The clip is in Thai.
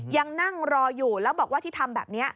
ยังนั่งรออยู่แล้วบอกว่าที่ทำแบบนี้